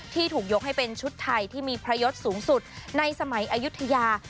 ถูกยกให้เป็นชุดไทยที่มีพระยศสูงสุดในสมัยอายุทยา